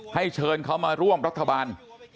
เชิญเขามาร่วมรัฐบาล